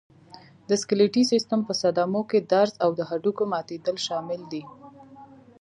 د سکلېټي سیستم په صدمو کې درز او د هډوکو ماتېدل شامل دي.